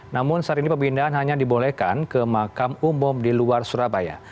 namun saat ini pemindahan hanya dibolehkan ke makam umum di luar surabaya